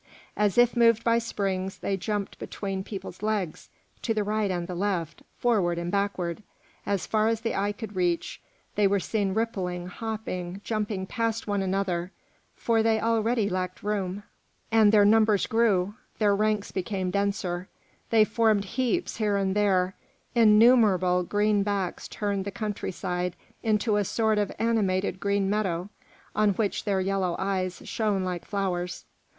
As if moved by springs, they jumped between peoples' legs, to the right and the left, forward and backward; as far as the eye could reach, they were seen rippling, hopping, jumping past one another, for they already lacked room, and their numbers grew, their ranks became denser, they formed heaps here and there; innumerable green backs turned the countryside into a sort of animated green meadow, on which their yellow eyes shone like flowers.